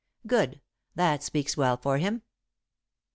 '" "Good! That speaks well for him."